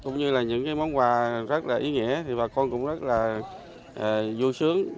cũng như là những món quà rất là ý nghĩa thì bà con cũng rất là vui sướng